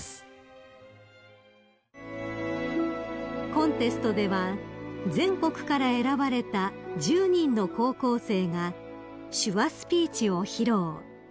［コンテストでは全国から選ばれた１０人の高校生が手話スピーチを披露］